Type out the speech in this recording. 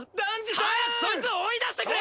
早くそいつを追い出してくれ！